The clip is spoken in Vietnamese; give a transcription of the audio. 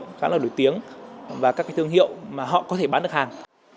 các thương hiệu khá là nổi tiếng và các cái thương hiệu mà họ có thể bán được hàng